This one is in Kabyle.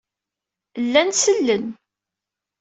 Llan sellen.